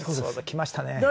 きましたね。